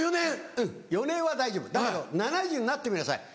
うん４年は大丈夫だけど７０になってみなさい。